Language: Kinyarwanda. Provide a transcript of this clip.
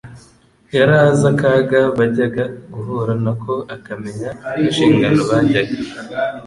yari azi akaga bajyaga guhura nako akamenya n'inshingano bajyaga